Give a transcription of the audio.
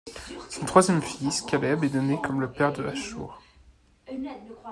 Son troisième fils Caleb est donné comme le père de Asshour.